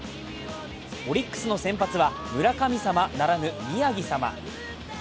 オリックスの先発は村神様ならぬ宮城様。